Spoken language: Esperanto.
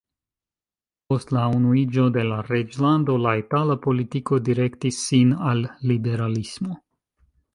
Post la unuiĝo de la Reĝlando la itala politiko direktis sin al liberalismo.